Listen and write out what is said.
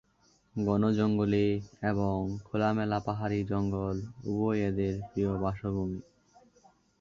ঘন জঙ্গলে এবং খোলামেলা পাহাড়ী জঙ্গল উভয়ই এদের প্রিয় বাসভূমি।